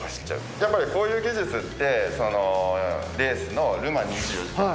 やっぱりこういう技術ってレースのル・マン２４時間。